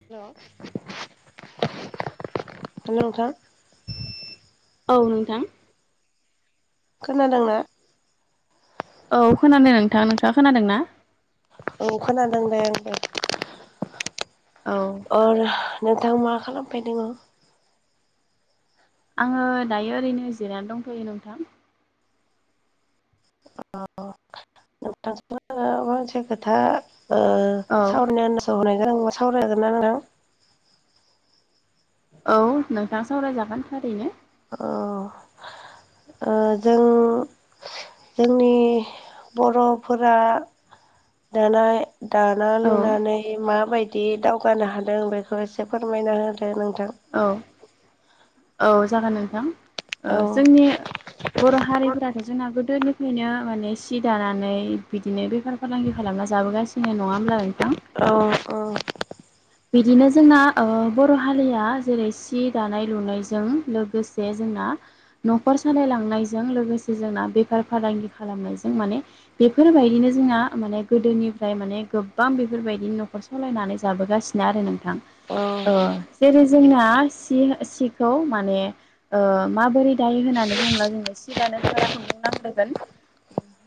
हेल' hello नोंथां। औ नोंथां। खोनादोंना? औ खोनादों नोंथां। नोंथाङा खोनादों ना? औ खोनादों दे आंबो। औ अ नोंथां मा खालामफै दङ? आङो दायो ओरैनो जिरायनानै दंथयो नोंथां। अ नोंथांजों आङो मानसे खोथा ओ औ सावरायनो आन्दासाव [unintelligible] औ नोंथां सावरायजागोन थारैनो। अ ओ जों जोंनि बर'फोरा दानाय दाना औ लुनानै इ माबायदि दावगानो हादों बेखौ एसे फोरमायना होदो नोंथां। औ औ जागोन नोंथां। ओ औ जोंनि बर' हारिफोराथ' जोंना गोदोनिफ्रायनो माने सि दानानै बिदिनो बेफार फालांगि खालामना जाबोगासिनो। नङा होमब्ला नोंथां? औ ओ बिदिनो जोंना ओ बर' हारिया जेरै सि दानाय लुनायजों लोगोसे जोंना न'खर सालायलांनायजों लोगोसे जोंना बेफार फालांगि खालामनायजों माने बेफोरबायदिनो जोंहा माने गोदोनिफ्राय माने गोबां बेफोरबायदिनो न'खर सलायनानै जाबोगासि नो आरो नोंथां औ ओ जेरै जोंना सि सिखौ माने ओ माबोरै दायो होननानै बुंब्ला जोङो सि दानो थाखाय खुन्दुं नांग्रोगोन।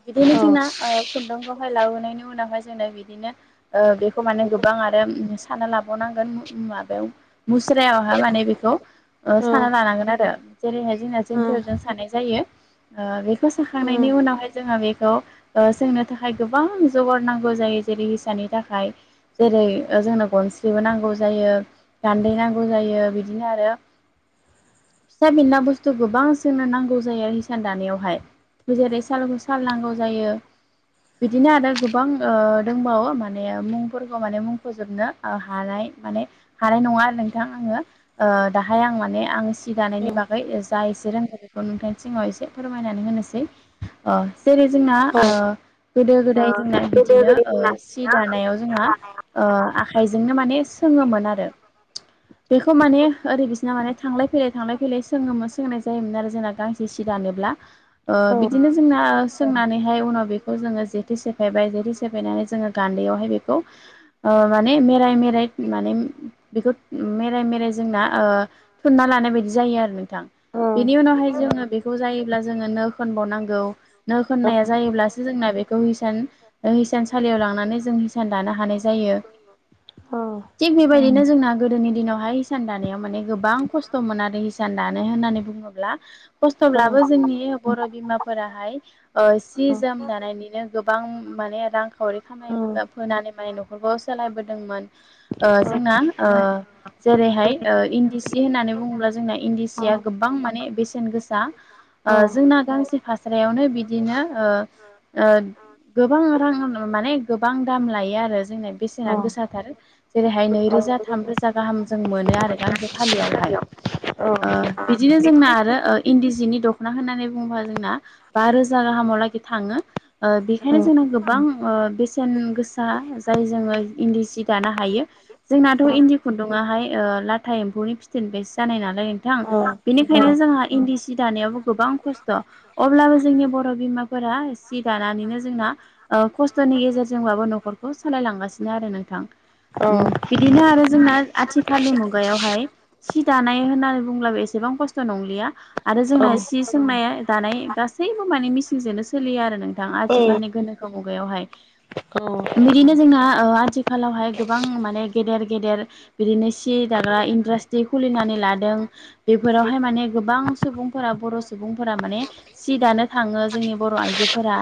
बिदिनो औ जोंना ओ खुन्दुंखौहाय लाबोनायनि उनावहाय जोंनो बिदिनो ओ बेखौ माने गोबां आरो उम थाना लाबावनांगोन मु माबायाव मुस्रायावहा माने बेखौ ओ साना लानांगोन आरो जेरैहाय जोंना औ जोन्थोरजों सानाय जायो। ओ बेखौ साखांनायनि उनावहाय जोहा बेखौ ओ सोंनो थाखाय गोबां जगार नांगौ जायो। जेरै हिसानि थाखाय जेरै ओ जोंनो गनस्रिबो नांगौ जायो गान्दै नांगौ जायो बिदिनो आरो फिसा फिनला बुस्थु गोबां जोंनो नांगौ जायो आरो हिसान दानायावहाय। जेरै सालुगु साल नांगौ जायो। बिदिनो आरो गोबां ओ दोंबावो माने मुंफोरखौ माने मुंख'जोबनो आ हानाय माने हानाय नङा आरो नोंथां आङो। ओ दाहाय आं माने आं जि दानायनि बागै ओ जा एसे रोंगौ बेखौ नोंथांनि सिगाङाव एसे फोरमायनानै होनोसै। ओ जेरै जोंना ओ गोदो गोदाय जोंना बिदिनो ओ सि दानायाव जोंहा ओ आ खाइजोंनो माने सोङोमोन आरो। बेखौ माने ओरै बिसिना माने थांलाय फैलाय थांलाय फैलाय सोङोमो सोंनाय जायोमोन आरो जोंना गां जे सि दानोब्ला ओ औ बिदिनो जोंना सोंनानैहाय उनाव बे खौ जोङो जेथे सेफायबाय जेथे सेफायनानै जोङो गान्दैयावहाय बेखौ ओ माने मेराय मेराय माने बेखौ मेराय मेराय जोंना ओ थुनना लानाय बायदि जायो आरो नोंथां। औ बेनि उनावहाय जोङो बेखौ जायोब्ला जोङो नो खोनबाव नांगौ नो औ खोन्नाया औ जाय योब्लासो जोंना बेखौ हिसान ओ हिसानसालियाव लांनानै जों हिसान दानो हानाय जायो। थिग बेबायदिनो जोंना गोदोनि दिनावहाय हिसान दानायाव माने गोबां खस्थ'मोन आरो हिसान दानाय होननानै बुं खस्थ'ब्लाबो जोंनि बर' बिमाफोराहाय सि जोम दानानैनो गोबां माने रांखावरि खाम फोनानै माने न'खरखौ सोलायबोदोंमोन जोंना जेरैहाय इन्दि सि होननानै बुङोब्ला जोंना इन्दि सिया गोबां माने बेसेन गोसा जोंना गांसे फास्रायावनो बिदिनो गोबां रां माने गोबां दाम लायो आरो जोंना बेसेना गोसाथार जेरैहाय नैरोजा थामरोजा गाहाम जों मोनो आरो गांसे फालियावहाय बिदिनो जोंना आरो इन्दि जिनि दख'ना होननानै बुङोबा जोंना बा रोजा गाहामाव लागि थाङो बेखायनो जोंना गोबां बेसेन गोसा जाय जोङो इन्दि सि दानो हायो जोंनाथ' इन्दि खुन्दुंआहाय लाथा एम्फौनि फिथोब निफ्रायसो जानाय नालाय नोंथां बेनिखायनो जोंहा इन्दि सि दानायावबो गोबां खस्थ' अब्लाबो जोंनि बर' बिमाफोरा सि दानानैनो जोंना खस्थ'नि गेजेरजोंबाबो न'खरखौ सालायलांगासिनो आरो नोंथां बिदिनो आरो जोंना आथिखालनि मुगायावहाय सि दानाय होननानै बुंब्लाबो एसेबां खस्थ' नंलिया आरो जोंना सि सोंनाय दानाय गासैबो माने मिसिनजोंनो सों सोलियो आरो नोंथां आथिखालनि गोनोखो मुगायावहाय बिदिनो जोंना आथिखालावहाय गोबां माने गेदेर गेदेर बिदिनो सि दाग्रा इन्डास्ट्रि खुलिनानै लादों बेफोरावहाय माने गोबां सुबुंफोरा बर' सुबुंफोरा माने सि दानो थाङो जोंनि बर' आइजोफोरा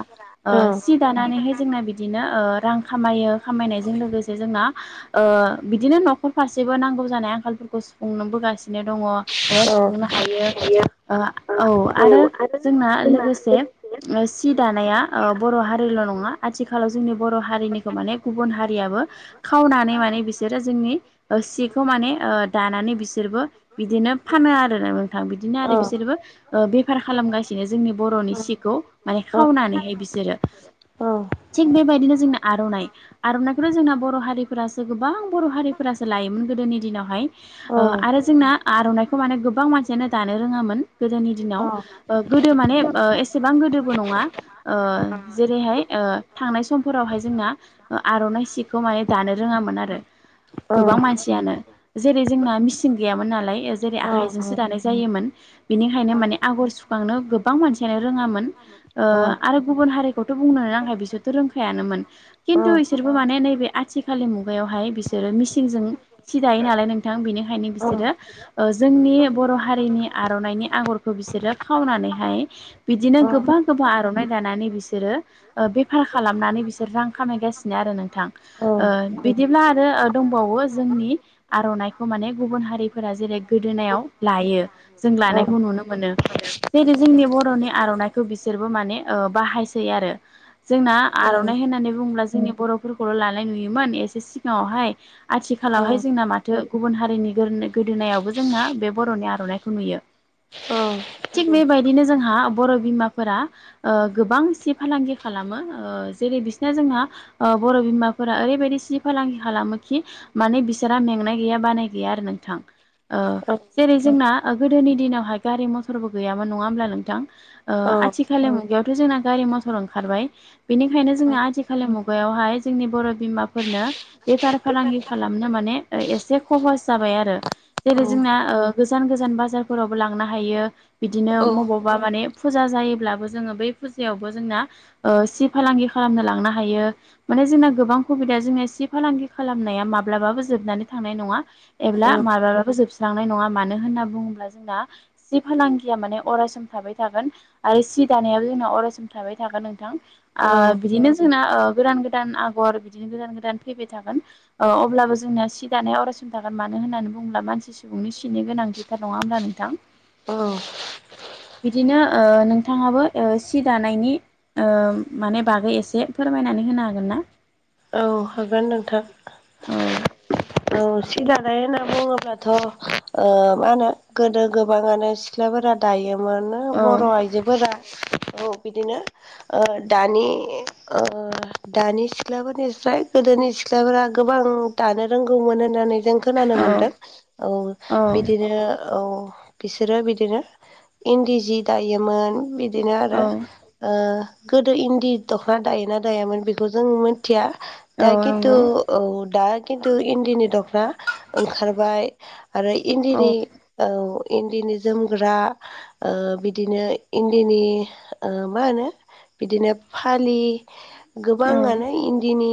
सि दानानैहाय जोंना बिदिनो रां खामायो खामायनायजों लोगोसे जोंना बिदिनो न'खर फारसेबो नांगौ जानाय आंखालफोरखौ सुफुंनोबोगासिनो दङ एबा औ औ सुफुंनो हायो औ आरो जोंना लोगोसे सि दानाया बर' हारिल' नङा आथिखालाव जोंनि बर' हारिनिखौ माने गुबुन हारियाबो खावनानै माने बिसोरो जोंनि सिखौ माने दानानै बिसोरबो बिदिनो फानो आरोना नोंथां बिदिनो आरो औ बिसोरबो बेफार खालामगासिनो जोंनि बर'नि सिखौ माने खावनानैहाय बिसोरो थिग बेबायदिनो जोंनि आर'नाइ आर'नाइखौथ' जोंना बर' हारिफोरासो गोबां बर' हारिफोरासो लायोमोन गोदोनि दिनावहाय आरो जोंना आर'नाइखौ माने गोबां मानसियानो दानो रोङामोन गोदोनि दिनाव गोदो माने रोङामोन एसेबां गोदोबो नङा जेरैहाय थांनाय समफोरावहाय जोंना आर'नाइ सिखौ माने दानो रोङामोन आरो गोबां मानसियानो जेरै जोंना मेचिन गैयामोन नालाय जेरै दानाया आखाइजोंसो दानाय जायोमोन बिनिखायनो माने बेनिखायनो आगर सुखांनो गोबां मानसियानो रोङामोन बिदिनो गोबां आरो गुबुन हारिखौथ' बुंनो नाङा बिसोरथ' रोंखायानोमोन खिन्थु बिसोरबो माने नैबे आथिखालनि मुगायावहाय बिसोरो मिसिनजों सि दायो नालाय नोंथां बेनिखायनो बिसोरो आर'नाइ जोंनि बर' हारिनि आर'नाइनि आगरखौ बिसोरो खावनानैहाय बिदिनो गोबा दानानै गोबा आर'नाइ दानानै बिसोरो बेफार खालामनानै बिसोर रां खामायगासिनो आरो नोंथां औ बिदिब्ला आरो दंबावो जोंनि आर'नाइखौ माने गुबुन हारिफोरा जेरै गोदोनायाव लायो जों लानायखौ नुनो मोनो जेरै जोंनि बर'नि आर'नाइखौ बिसोरबो माने बाहायसै आरो जोंना आर'नाइ होननानै बुंब्ला जोंनि बर'फोरखौल' लानाय नुयोमोन एसे सिगाङावहाय आथिखालावहाय जोंना मा दो गुबुन हारिनि गोदो गोदोनायावबो जोंना बे बर'नि आर'नाखौ नुयो औ थिग बेबायदिनो जोंहा बर' बिमाफोरा ओ गोबांसि फालांगि खालामो जेरै बि दिनो जोंना बर' बिमाफोरा ओरैबायदि सि फालांगि खालामो खि माने बिसोरा मेंनाय गैया बानाय गैया आरो नोंथां ओ जेरै जोंना गोदोनि दिनावहाय गारि मथरबो गैयामोन नङा होमब्ला नोंथां ओ आथिखालनि मुगायावथ' जोंना गारि मथर ओंखारबाय बेनिखायनो जोङा आथिखालनि मुगायावहाय जोंनि बर' बिमाफोरनो बेफार फालांगि खालामनो माने एसे खहस जाबाय आरो जेरै जोंना ओ गोजान गोजान बाजारफोरावबो लांनो हायो। बिदिनो बबावबा माने फुजा जायोब्लाबो जोङो बै फुजायावबो जोंना ओ सि फालांगि खालामनो लांनो हायो माने जोंना गोबां सुबिदा जोंनि सि फालांगि खालामनाया माब्लाबाबो जोबनानै थांनाय नङा एब्ला औ माब्लाबााबो जोबस्रांनाय नङा मानो होनना बुङोब्ला जोंना जि फालांगिया माने अरायसम थाबाय थागोन आरो सि दानायाबो जोंना अरायसम थाबाय थागोन नोंथां ओ औ बिदिनो जोंना ओ गोदान गोदान आगर बिदिनो गोदान गोदान फैबाय थागोन ओ अब्लाबो जोंना सि दानाया अरायसम थागोन मानो होननानै बुङोब्ला मानसि सुबुंनि सिनि गोनांथिथार नङा होमब्ला नोंथां अ बिदिनो ओ नोंथाङाबो ओ सि दानायनि माने बागै एसे फोरमायनानै होनो हागोन ना औ हागोन नोंथां औ औ सिदा [unintelligible] होनना बुङोब्लाथ' ओ मा होनो गोदो गोबाङानो सिख्लाफोरा दायोमोन औ बर' आइजोफोरा औ बिदिनो ओ दानि ओ दानि सिख्लाफोरनिफ्राय गोदोनि सिख्लाफोरा गोबां दानो रोंगौमोन होननानै जों खोनानो औ मोनदों औ औ बिदिनो औ बिसोरो बिदिनो इन्दि जि दायोमोन बिदिनो आरो औ गोदो इन्दि दख'ना दायोना दायामोन बेखौ जों मिथिया औ दा खिन्थु नंगौ औ दा खिन्थु इन्दिनि दखना ओंखारबाय आरो औ इन्दिनि औ इन्दिनि जोमग्रा ओ बिदिनो इन्दिनि ओ मा होनो बिदिनो फालि औ गोबाङानो इन्दिनि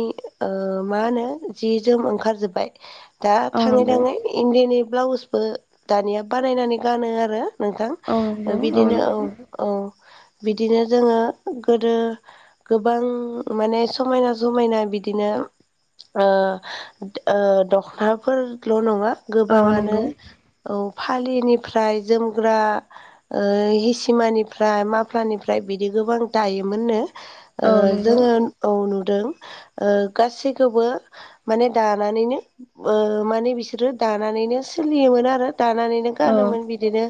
ओ मा होनो जि जोम ओंखारजोबबाय दा औ थाङै नंगौ थाङै इण्डिनि ब्लाउसबो दानिया बानायनानै गानो आरो नोंथां औ नंगौ ओ औ बिदिनो नंगौ औ औ बिदिनो जोङो गोदो गोबां माने समायना समायना बादिनो ओ ओ दखनाफोरल' नङा औ गोबाङानो नंगौ औ फालिनिफ्राय जोमग्रा हिसिमानिफ्राय माफ्लानिफ्राय बिदि गोबां दायोमोननो ओ औ नंगौ जोङो औ नुदों ओ गासैखौबो माने दानानैनो ओ माने बिसोरो दानानैनो सोलियोमोन आरो दानानैनो औ गानोमोन बिदिनो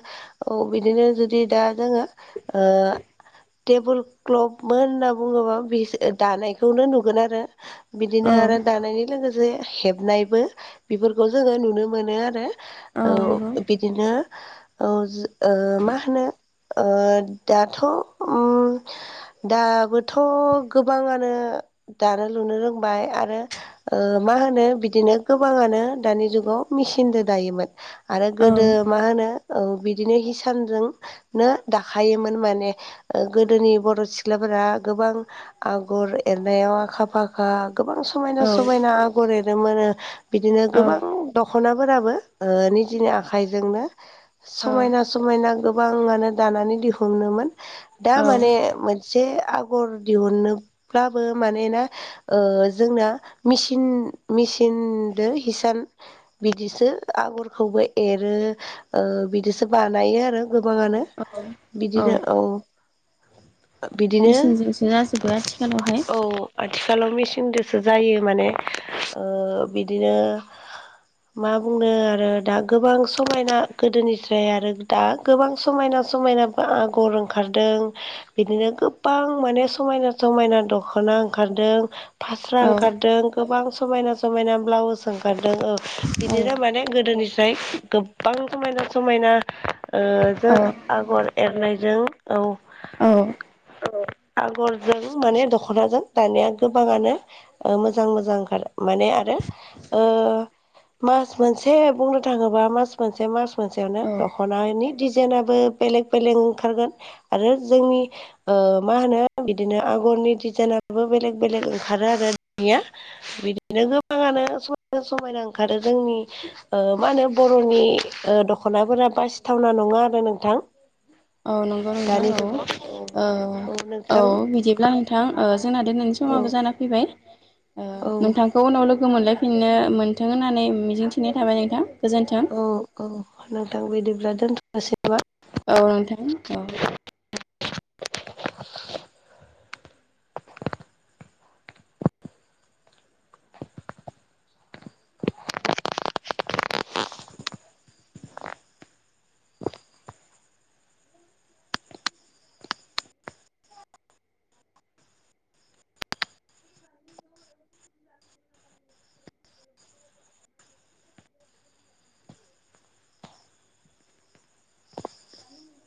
औ बिदिनो जुदि दा जोङो ओ टेबोल क्लफमोन होनना बुङोबा बि दानायखौनो नुगोन आरो बिदिनो औ आरो दानायनि लोगोसे हेबनायबो बेफोरखौ जोङो नुनो मोनो आरो औ बिदिनो औ ओ मा होनो ओ दाथ' उम दाबोथ' गोबाङानो दानो लुनो रोंबाय आरो मा होनो बिदिनो गोबाङानो दानि जुगाव मेसिनजों दायोमोन आरो गोदो औ मा होनो बिदिनो हिसानजों नो दाखायोमोन माने गोदोनि बर' सिख्लाफोरा गोबां आगर एर नायाव आखा फाखा गोबां समायना औ समायना आगर एरोमोनो बिदिनो औ गोबां दखनाफोराबो निजिनि आखाइजोंनो औ समायना समायना गोबाङानो दानानै दिहुनोमोन दा औ माने मोनसे आगर दिहुनोब्लाबो मानोना ओ जोंना मेसिन मेसिनजोंदो हिसान बिदिसो आगरखौबो एरो बेदोसो बानायो आरो गोबाङानो बिदिनो औ बिदिनो मेचिनजोंसो जाजोबो आथिखालावहाय औ आथिखालाव मेसिजोंसो जायो माने बिदिनो मा बुंनो आरो दा गोबां समायना गोदोनिस्राय आरो दा गोबां समायना समायना आगर ओंखारदों बिदिनो गोबां माने समायना समायना दख दखना ओंखारदों फास्रा औ ओंखारदों गोबां समायना समायना ब्लाउस ओंखारदों औ औ बिदिनो माने गोदोनिफ्राय गोबां समायना समायना ओ औ [unintelligible] आगर एरनायजों औ औ आगरजों माने दख दखनाजों दानाया गोबाङानो मोजां मोजां ओंखारो माने आरो मास मोनसे बुंनो थाङोबा मास मोनसे मास मोनसेयावनो औ दखनानि डिजाइनाबो बेलेग बेलेग ओंखारगोन आरो जोंनि ओ मा होनो बिदिनो आगरनि दि जोंनाबो बेलेग बेलेग ओंखारो आरो दानिया बिदिनो गोबाङानो समायना समायना ओंखारो जोंनि ओ मा होनो बर'नि दखनाफोरा बासिथावना नङा आरो नोंथां अ नंगौ नोंथां दानि औ जुगाव औ ओ औ बिदिब्ला आं नोंथां जोंना दिनैनि औ समाबो जाना फैबाय औ नोंथांखौ उनाव लोगो मोनलाय फिननो मोनथों होननानै मिजिंथिनाय थाबाय नोंथां गोजोन्थों औ औ नोंथां बिदिब्ला दोनथनोसै नामा औ नोंथां औ [inaudible] [inaudible] [inaudible]